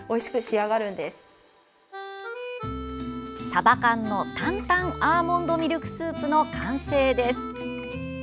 さば缶の坦々アーモンドミルクスープの完成です。